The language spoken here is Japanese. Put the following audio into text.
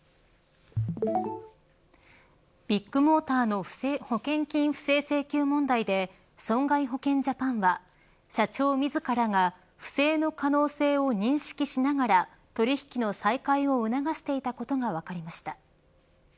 ビッグモーターの保険金不正請求問題で損害保険ジャパンは社長自らが不正の可能性を認識しながら取引の再開を促していたことが分かりました。